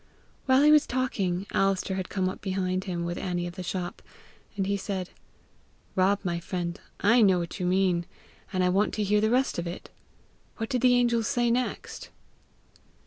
While he was talking, Alister had come up behind him, with Annie of the shop, and he said "Rob, my friend, I know what you mean, and I want to hear the rest of it: what did the angels say next?"